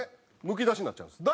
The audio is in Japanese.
むき出しになっちゃうんです。